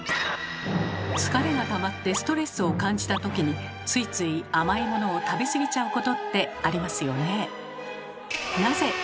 疲れがたまってストレスを感じたときについつい甘いものを食べ過ぎちゃうことってありますよね。